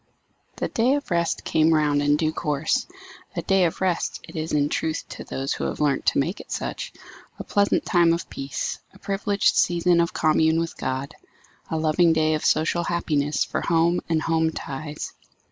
The day of rest came round in due course. A day of rest it is in truth to those who have learnt to make it such; a pleasant time of peace; a privileged season of commune with God; a loving day of social happiness for home and home ties.